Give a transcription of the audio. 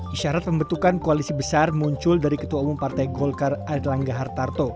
isyarat pembentukan koalisi besar muncul dari ketua umum partai golkar air langga hartarto